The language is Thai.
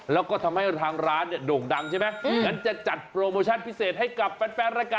แล้วก็ทำให้ทางร้านโด่งดังใช่ไหม